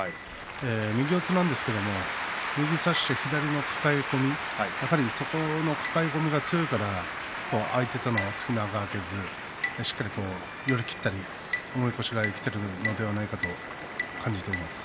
右四つなんですが右差して左に抱え込みその抱え込みが強いから相手との隙間が空かずしっかりと寄り切ったり重い腰が生きているのではないかと感じています。